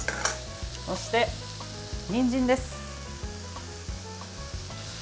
そして、にんじんです。